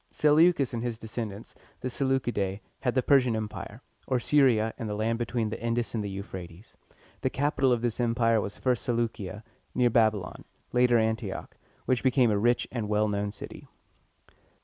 Seleucus and his descendants, the Se leu´ci dæ, had the Persian Empire, or Syria and the land between the Indus and the Euphrates. The capital of this empire was first Se leu´cia, near Babylon, and later An´ti och, which became a rich and well known city.